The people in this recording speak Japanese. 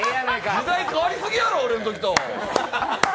時代変わりすぎや俺のときと。